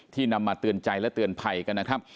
นำมาเตือนใจและเตือนภัยกันนะครับ